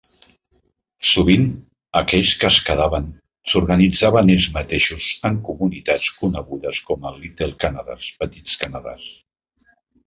Sovint, aquells que es quedaven, s"organitzaven ells mateixos en comunitats conegudes com Little Canadas (Petits Canadàs).